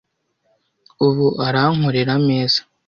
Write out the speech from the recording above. Ubu arankorera ameza.